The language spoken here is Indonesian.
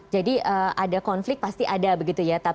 jadi ada konflik pasti ada begitu ya